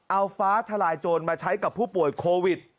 เอาฟ้าทลายโจรมาใช้กับผู้ป่วยโควิด